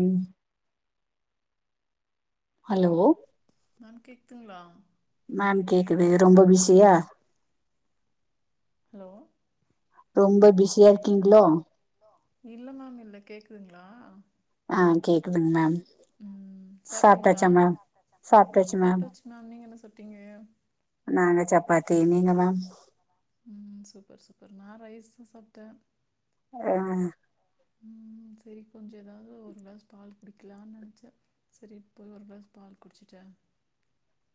ம் hello ma'am கேக்துங்ளா ma'am கேக்குது ரொம்ப பிசியா ஹலோ ரொம்ப பிஸியா இருக்கீங்ளோ இல்ல மேம் இல்ல கேக்குதுங்ளா அ கேக்குதுங் மேம் ம்ம் சாப்ட்டீங்ளா சாப்ட்டாச்சு மேம் நீங்க என்ன சாப்ட்டீங்க நாங்க சப்பாத்தி நீங்க மேம் ம் சூப்பர் சூப்பர் நா ரைஸ்தா சாப்ட்டே அ ம் சரி கொஞ்ச ஏதாது ஒரு கிளாஸ் பால் குடிக்கலான் நெனச்சே செரி போய் ஒரு கிளாஸ் பால் குடிச்சிட்டே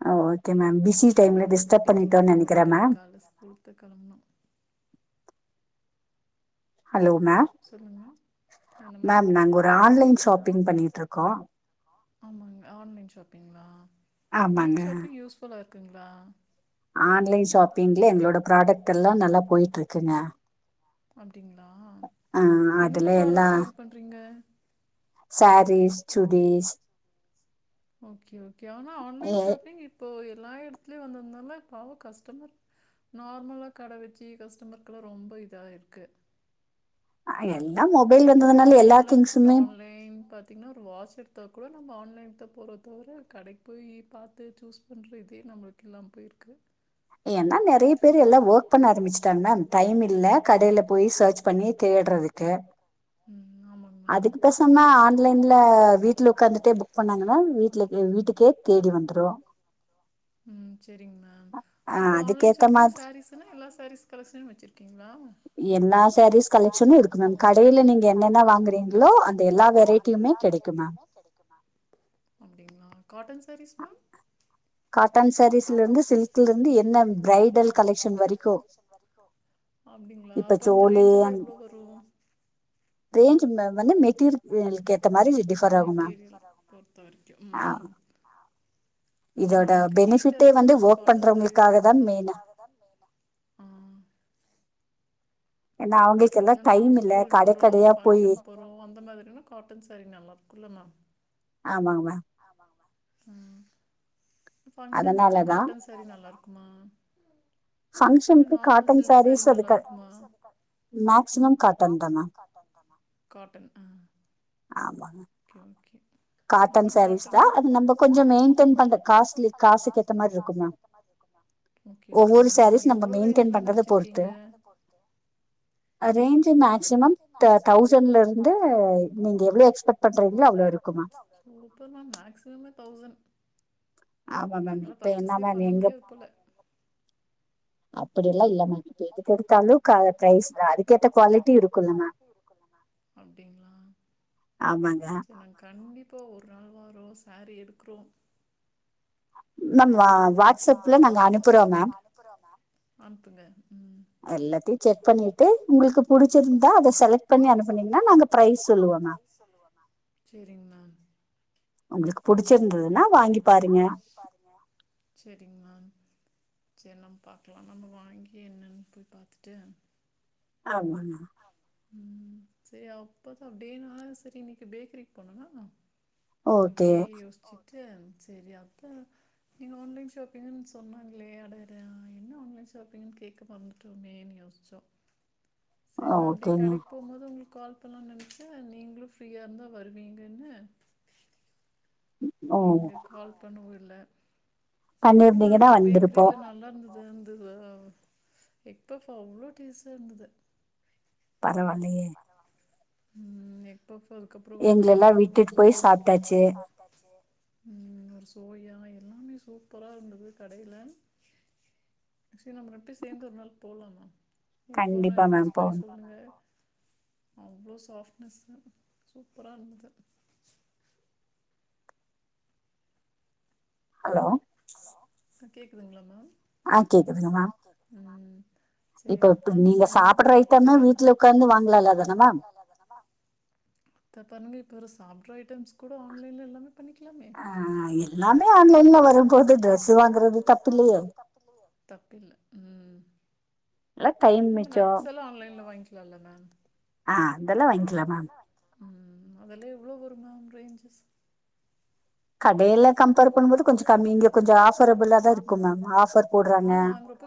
அ ஓகே மேம் அ அப்பற குட்டி தூக்கம் போட்டு கால்ல ஸ்கூல்க்தா கெளம்புனு ஹலோ மேம் சொல்லுங்க என்ன மேம் ஆமாங்க ஆன்லைன் ஷாப்பிங்ளா ஆன்லைன் ஷாப்பிங் யூஸ்ஃபுல்லா இருக்குங்ளா ஆன்லைன் ஷாப்பிங்ல எங்ளோட ப்ராடெக்டெல்லா நல்லா போயிட்ருக்குங்க அப்டிங்களா என்னென்ன ப்ராடக்ட்ஸ் சேல் பண்றீங்க சாரீஸ் சுடிஸ் ஓகே ஓகே ஆனா ஆன்லைன் ஷாப்பிங் இப்போ எல்லா எடத்துலயு வந்ததுனால பாவோ கஸ்டமர் நார்மலா கட வச்சு கஸ்டமர்க்லா ரொம்ப இதா இருக்கு அ எல்லா மொபைல் வந்ததுனால எல்லா திங்ஸுமே ரெயின் பாத்தீங்னா ஒரு வாட்ச் எடுத்தா கூட நம்ம ஆன்லைன் தா போறோ தவிர கடைக்கு போயி பாத்து சூஸ் பன்ற இதே நம்ளுக்கில்லாம போய்ருக்கு என்னா நெறையப் பேரு எல்லா ஒர்க் பண்ண ஆரம்பிச்ட்டாங் மேம் டைம் இல்ல கடையில போய் சர்ச் பண்ணி தேட்றதுக்கு அதுக் பெசாமா ஆன்லைன்ல வீட்ல ஒக்காந்துட்டே புக் பண்ணாங்கன்னா வீட்லந்தே வீட்டுக்கே தேடி வந்துரு ம் செரிங் மேம் அப்போ ஆன்லைன் ஷாப்பிங் சாரீஸ்னா எல்லா சாரீஸ் கலெக்க்ஷனு வச்சிருக்கீங்ளா எல்லா சாரீஸ் கலெக்க்ஷனு இருக்கு மேம் கடையில நீங்க என்னென்ன வாங்குறீங்ளோ அந் இந்த எல்லா வெரைட்டியுமே கெடைக்கு மேம் அப்டிங்ளா காட்டன் சாரீஸ் மேம் காட்டன் சாரீஸ்லந்து சில்க்கிலந்து என்னா பிரைடல் கலெக்க்ஷன் வரிக்கு அப்டிங்ளா அப்ப அந்த ரேஞ்செல்லா எவ்ளோ வரு மெட்டீரியல பொறுத்த வரைக்கு ம் [inaudible] ஏன்னா நம்மளுக்கு ஹீட்டா இருக்கிறதுனால காட்டன் சேரிஸ் பிடிக் என்ன அவங்க இல்ல நம்ம ஒரு ஸ்கூல் போறோ ஒரு ஃபங்க்ஷன் போறோ அந்த மாரினா காட்டன் சரீங்க நல்லா இருக்குல்ல மா ஆமாமா ம் ஃபங்க்ஷன்ஸ்கு காட்டன் சரி நல்லாருக்குமா இ நார்மல் சில்க் சரி நல்லாருக்குமா மேக்சிமம் காட்டன் ம் ஆமாங் ஓகே காட்டன் சாரீஸ் தா கொஞ்சோ நம்ம கொஞ்சோ மெயின்டன் பண்ணா காசு காசு கேத்த மாரி இருக்குங்க ஓகே ஓகே மேம் எவ்ளோ ரேஞ்சில இருந்து வச்சிருக்கீங்க ஆ ரேஞ்ச் மேக்சிமம் த தவுசண்ட்லருந்து நீங்க எவ்ளோ எக்ஸ்பெக்ட் பண்றீங்ளா அவ்ளோ இருக்குமா சூப்பர் மேம் மேக்சிமம்மே தௌசண் ஆமா மேம் இப்ப என்ன மேம் எங்க அப்படியெல்லா இல்ல மேம் அப்டியெல்லா இல்லமா எந்த அளவுக்கு ப்ரைஸ்ல அதுக்கேத்த குவாலிட்டி இருக்கனுல்ல மேம் அப்டிங்ளா ஆமாங்க நாங்க கண்டிப்பா ஒரு நாள் வாறோ சேரி எடுக்றோ ரெண்டு பேரு ஒரு பங்கஷனுக்கு போற கட்டிட்டு அனுப்புங்க ம் எல்லாத்தையு செக் பண்ணிட்டு உங்களுக்கு புடிதா அத செலக்ட் பண்ணி அனுப்புனீங்கனா நாங்க ப்ரைஸ் சொல்லுவோ மேம் மேம் செரிங் மேம் உங்களுக்கு புடிச்சிருந்ததுன்னா வாங்கி பாருங்க பாருங்க செரிங்க மேம் செரி நம் பாக்கலா நம்ம வாங்கி என்னனு போய் பாத்துட்டு ஆமாங்க ம் செரி அப்பதா அப்டியேனா செரி இன்னைக்கு பேக்கரிக்கு போனோனா இப்டியே யோசிச்சுட்டு அ சரி அத்தா நீங்க ஆன்லைன் ஷாப்பிங்கின் சொன்னாங்ளே அடடா என்ன ஆன்லைன் ஷாப்பிங்ன்னு கேக்க மற்ந் டோமேன் யோஷ்சோ செரி நா அப்டியே கடைக் கு போம்போது உங்களுக்கு கால் பண்ணலாம்னு நெனச்சே நீங்களு ஃப்ரீயாருந்தா வருவீங்கன்னு இங்க கால் பண்ணவுல்ல ஒன்னு மேம் பேக்கிரியில நல்லாருந்தது அது எக் பௌஃப் அவ்ளோ டேஸ்டா இருந்தது பரவால்லயே உம் எக்பப்ஸு அதுக்கப்றோ ஒரு வெஜ்ரோல் வாங்கலா கட்சியோ ம் ஒரு சோயா எல்லாமே சூப்பரா இருந்தது கடையில சேரி நம்ம ரெண்டு பேரு சேந்து ஒரு நாள் போகலா எப்போனா பிக்ஸ் பண்ணி சொல்லுங்க அவ்ளோ சாஃப்ட்னஸ்ஸு சூப்பராருந்தது ஹலோ ஹலோ ப்ப கேக்குதுங்களா மேம் ஆ கேக்குதுங்க மேம் குவாங் செரி அத்தா நம்ம என்னன்னு பாத்துட்டு ரென்ட் த பாருங்க இப்ப ஒரு சாப்டற ஐட்டம்ஸ் கூட ஆன்லைன்ல எல்லாமே பண்ணிக்கலாமே ஆ எல்லாமே ஆன்லைன் லாமே ஆன்லைன்ல வர போது ட்ரெஸ்ஸி வாங்குறது தப்பில்லியே புமே நட்ஸ் எல்லா ஆன்லைன்ல வாங்கிளால்ல மேம் ம் அதெல்லா எவ்ளோ வரு மேம் ரேஞ்சஸ் கடையில்ல கம்பேர் பண்ணுபோது கொஞ்ச கம்மி இங்க கொஞ்ச ஆஃபுரபுளா தா இருக்கும் மேம் ஆஃபர் போட்றாங்க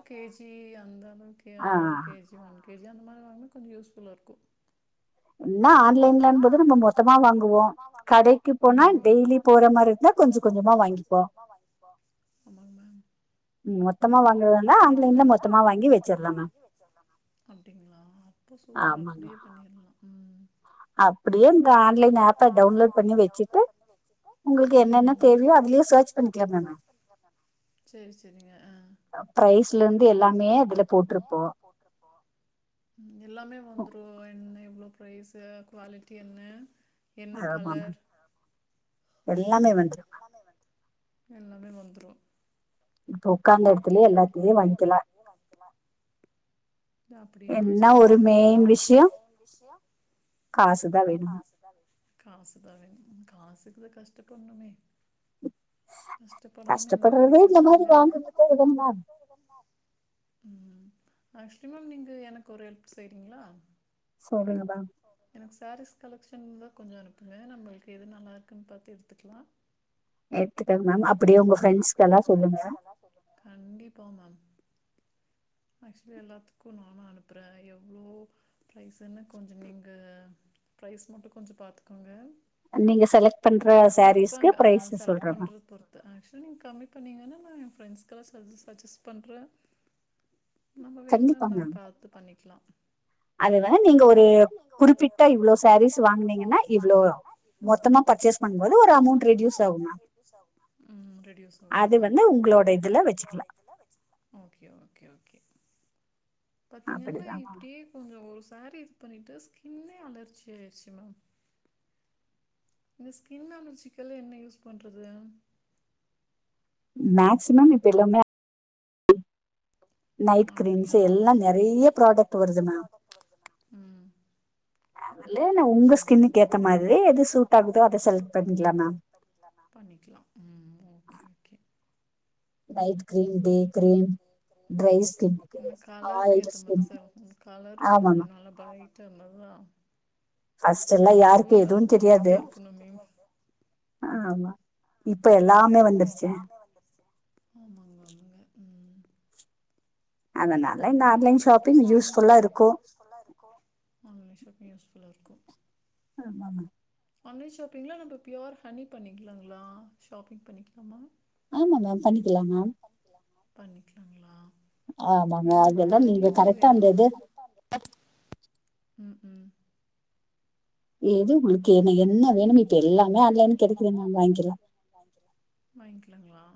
கே ஜி அந்த அளவுக்கு ஒரு K G one K G அந்த மாரி வாங்கினா கொஞ்ச யூஸ்ஃபுல்லா இருக்கு இன்னா ஆன்லைன் இன்னான்போது நம்ப மொத்தமா வாங்குவோ கடைக்கு போனா டெய்லி போற மாரி இருந்தா கொஞ்ச கொஞ்சமா வாங்கிப்போ ஆமாங் மேம் மொத்தமா வாங்கர்தாந்த ஆன்லைன்ல மொத்தமா வாங்கி வெச்சுர்லா மேம் அப்டிங்ளா அப்போ சூப்பர அப்டியே பண்ணிர்லா ம் அப்டியே இந்த ஆன்லைன் ஆஃப்ப டவுன்லோட் பண்ணி வெச்சுட்டு உங்ளுக்கு என்னென்ன தெ அப்டியே அதுலே சர்ச் பண்ணிகிளா மேம் ப்ரைஸ்லந்து எல்லாமே அதுல போட்ருப்போ போட்ருப்போ ம் எல்லாமே வந்துரு என்ன எவ்ளோ ப்ரைஸு குவாலிட்டி என்ன ஆமா மேம் எல்லாமே வந்துரு மேம் எல்லாமே வந்துரு இப்போ உட்காந்த எடத்துலயே எல்லாத்துளே வருதுல அப்டியா செரி அப்ப நம்ப காசுதா காசுதா வேணு காசுதா வேணு காசுக்குத்தா கஷ்டப்படுனுமே கஷ்டப்படாம என்ன கெடைக்கு சொல்லுங்க ஆக்சுவலி மேம் நீங்க எனக்கு ஒரு ஹெல்ப் செய்றீங்களா சொல்லுங்க மேம் எனக்கு சாரீஸ் கலெக்ஷன் தா கொஞ்ச அனுப்புங்க நம்ளுக்கு எது நல்லா இருக்குன்னு பாத்து எடுத்துக்கலா எடுத்துக்கங்க மேம் அப்டியே உங்க ஃரெண்ட்ஸ்கு எல்லா சொல்லுங்க கண்டிப்பா மேம் ஆக்சுவலி எல்லாத்துக்கு நானு அனுப்புற எவ்ளோ ப்ரைஸ்னு கொஞ்ச நீங்க ப்ரைஸ் மட்டு கொஞ்சோ பாத்துக்கோங்க நெறய எடுப்பாங்க அ செலக்ட் பண்றது பொரு த்து ஆக்சுவலி நீங்க கம்மி பண்ணிங்கனா நா ஏ ஃப்ரெண்ட்ஸ்கெல்லா சஜ் சஜஸ் பண்றே நம்ம வேணுன்னா நாம் பாத்து பண்ணிக்கலா அது வந்து நீங்க ஒரு குறிப்பிட்டா இவ்ளோ சாரீஸ் வாங்குனீங்கனா இவ்ளோ மொத்தமா பர்ச்சேஸ் பண்ணுபோது ஒரு அமௌண்ட் ரெடியூஸ் ஆகு மேம் அது வந்து உங்ளோட இதுல வச்சுக்கலா ஓகே ஓகே ஓகே பாத்தீங்கனா இப்டியே கொஞ்சோ ஒரு சாரீ இது பண்ணிட்டு ஸ்கின்னே அலர்ஜி ஆயிடுச்சி மேம் இந்த ஸ்கின் அலர்ஜிக்கல்லா என்ன யூஸ் பண்றது மேக்சிமம் இப்ப எல்லாமே நைட் கிரீம்ஸ் எல்லா நெறைய ப்ராடக்ட் வருது மேம் அதுல நா உங்க ஸ்கின்னுுக்குகேத்த மாதிரி எது சூட் ஆகுதோ அத செலக்ட் பண்ணிக்கலா மேம் பண்ணிக்கலா ம் ம் ஓகே ஓகே கலர்க்கு ஏத்த மார்தா செலக்ட் கலரு கொஞ்சோ நல்லா பிரைட்டா நல்லா பஸ்ட் எல்லா யாருக்கு எதுவு தெரியாது இப்ப எல்லாமே வந்துருச்சு வந்துருச்சு ஆமாங்க ஆமாங்க ம் செரி ஆக்சுவல்லா எப்ப [unintelligible] ஆமா [unintelligible] யூஸ்புல்லாருக்கு ஆமாங்க ஆன்லைன் ஷாப்பிங்லா நம்ம பியூர் ஹனி பண்ணிக்கலாங்களா ஷாப்பிங் பண்ணிக்கலாமா ஆமா மேம் பண்ணிக்கலா மேம் பண்ணிக்கலாங்களா எனக்கு ஹனிதா வேணு ம் ம் ஏது [unintelligible] உனக்கு என்ன வேணு வீட்டுக்கு எல்லாமே ஆன்லைனுக்கு கெடைக்கு வாங்க்கலா வாங்க்கலாங்களா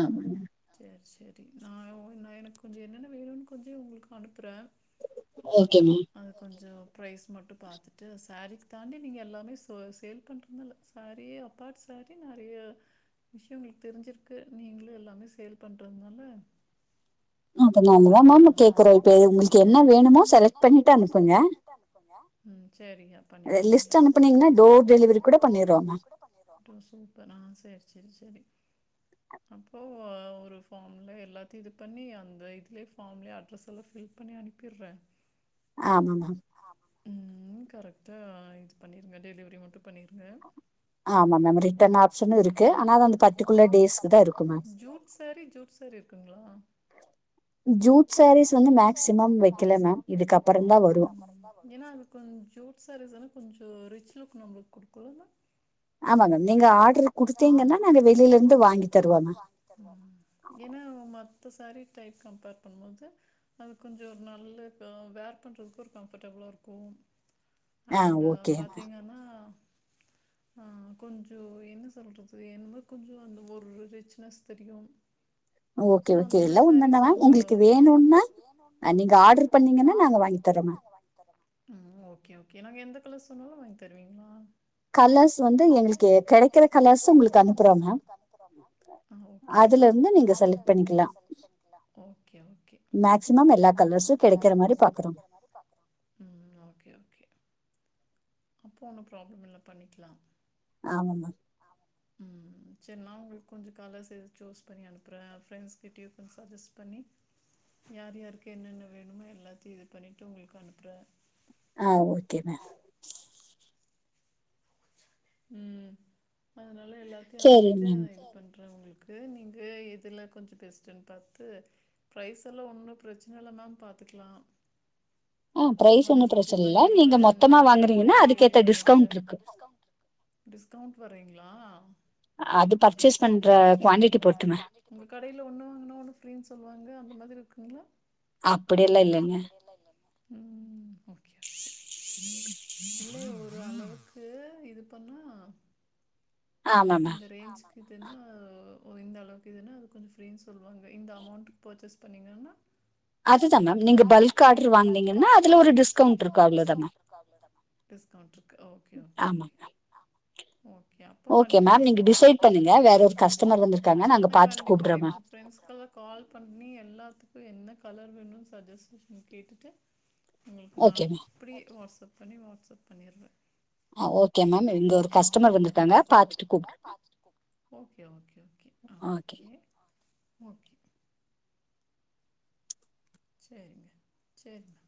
ஆமாங்க சேரி சேரி நா உ எனக்கு கொஞ்ச என்னென்ன வேணுன்னு கொஞ்ச உங்ளுக்கு அனுப்றே ஓகே மா அது கொஞ்ச ப்ரைஸ் மட்டு பாத்துட்டு சேரிக்கு தாண்டி நீங்க எல்லாமே ச சேல் பண்றனல்ல சேரி அப்பாட் சேரி நெறைய விஷய உங்ளுக்கு தெரிஞ்சிருக்கு நீங்களு எல்லாமே சேல் பண்றதுனால அததான மேம் கேக்கறோ இப்ப உங்களுக்கு என்ன வேணுமோ செலக்ட் ம் சேரிங்க பண்ணிக்கலாங்லியா டு சூப்பர் ஆ சேர் சேர் செரி அப்போ ஒரு ஃபாம்ல எல்லாத்தையு இது பண்ணி அந்த இதுலே ஃபாம்லே அட்ரஸ் எல்லா ஃபில் பண்ணி அனுப்பிர்ற ஆமா ம் கரெக்டா இது பண்ணிருங்க டெலிவரி மட்டு பண்ணிருங்க ம் ஜீட் சேரி ஜீட் சேரி இருக்குங்ளா ஜூட் சேரீஸ் வந்து மேக்சிமம் வெக்கல மேம் இதுக்கப் ம் ஏன்னா அது கொஞ் ஜூட் சாரீஸ் வந்து கொஞ்ச ரிச் லுக் நம்மளுக்கு குடுக்குல்ல மே ஆமா மேம் நீங்க ஆர்டரு குடுத்தீங்கன்னா நா வெளில இருந்து வாங்கி ஏன்னா மத்த சேரி டைப் கம்பேர் பண்ணும்போது அது கொஞ்ச ஒரு நல்ல வேர் பண்றதுக்கு ஒரு கம்ஃபர்டபுளா இருக்கு அண்டு் பாத்திங்கன்னா ஆ கொஞ்ச என்ன சொல்றது என்வோ கொஞ்ச அந்த ஒரு ரிச்னஸ் தெரியு சோ அந்த மாரி சேரிஸ் நம்ம போலா இத ஆர்டர் பண்ணிங் ம் ஓகே ஓகே நாங்க எந்த கலர் சொன்னாலு வாங்கி தருவிங்ளா கலர்ஸ் வந்து எங்களுக்கு கெடைக்கற கலர்ஸ உங்களுக்கு அனுப்புறோ மேம் ஆ ஓகே ஓகே ஓகே மேக்சிமம் எல்லா கலர்ஸு கெடைக்கற மாரி பாக்கறோ அப்போ ஒன்னு ப்ராப்ளம் இல்ல பண்ணிக்லா ஆமா மேம் ஆமா ம் செரி நா உங்களுக்கு கொஞ்ச காலர் சூஸ் பண்ணி அனுப்புறே ஃப்ரெண்ட்ஸ்கிட்டயு கொஞ் சஜஸ்ட் பண்ணி யார் யாருக்கு என்னென்ன வேணுமோ எல்லாத்தையு இது பண்ணிட்டு உங்களுக்கு அனுப்புறே ஆ ஓகே மே ம் அதனால எல்லாத்தையு அனுப்பிட்டு இது பண்றே உங்களுக்கு நீங்க எதுலா கொஞ்ச பெஸ்டுன் பாத்து ப்ரைஸ்ஸல்லா ஒன்னு பிரச்சன இல்ல மேம் பாத்துக்லா நானு ஜி பே பண்ணிர்ற நீங்க டோர் டெலிவரி பண்ணிருங்க டிஸ்கவுண்ட் வேறெய்ங்ளா செரி செரி உங்க கடைல ஒன்னு வாங்னா ஒன்னு ஃப்ரீன் சொல்வாங்க அந்த மாதிரி இருக்குங்ளா ம் ஒகே ஒகே [inaudible] இல்லை ஒரு அளவுக்கூ இது பண்ணா இந்த ரேஞ்ச் இதுன்னா ஒ ஒரு இந்தளவுக்கு இதுன்னா அது கொஞ்சோ ஃப்ரீனு சொல்லுவாங்க இந்த அமௌண்ட்டுக் பர்ச்சேஸ் பண்ணிங்கன்னா அதுதா மேம் நீங்க பல்க் ஆடரு வாங்குனீங்கன்னா அதுல ஒரு டிஸ்கவுண்ட் இருக்கு அவ்ளோதா மேம் டிஸ்கவுண்ட்ர்க்கு ஓகே ஓகே ஓகே ஓகே அப் பண்ணிக்கலா மா ஒகே மேம் நீங்க டிசைட் பண்ணுங்க வேற ஒரு கஷ்டமர் கண்டிப்பா வெய்ட் பண் ஃப்ரெண்ட்ஸ்க்கெலா கால் பண்ணி எல்லாத்துக்கு என்ன கலர் வேணு சஜஸஷன் கேட்டுட்டு ஒங்களுக்கு நா அப்டியே வாட்ஸ்ப் பண்ணி வாட்ஸ்அப் பண்ணிடுறே ஓகே ஓகே ஒகே அ ஓகே [inaudible] ஓகே சேரிங்க சேரிங்க